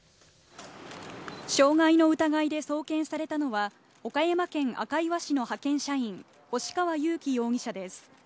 傷害の疑いで送検されたのは、岡山県赤磐市の派遣社員、星川佑樹容疑者です。